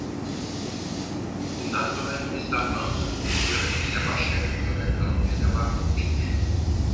Bundan sonra Hindistan bağımsız olunca yine başkent olarak kalmaya devam etmiştir.